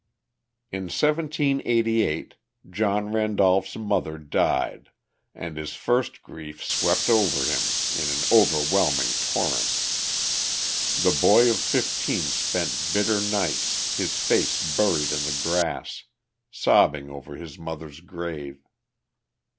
In 1788, John Randolph's mother died, and his first grief swept over him in an overwhelming torrent. The boy of fifteen spent bitter nights, his face buried in the grass, sobbing over his mother's grave.